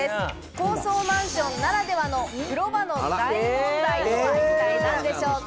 高層マンションならではの風呂場の大問題とは一体何でしょうか？